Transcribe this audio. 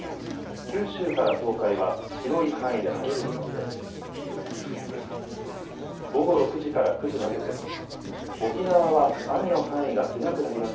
九州から東海は広い範囲で晴れる見込みです。